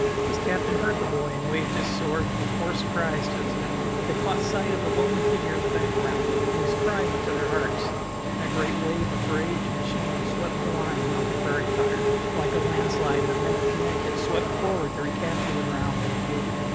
His captain heard the boy, and waved his sword with hoarse cries to his men. They caught sight of the lonely little figure in the background, and his cry went to their hearts, and a great wave of rage and shame swept the line like a prairie fire. Like a landslide the men of Connecticut swept forward to recapture the ground they had yielded.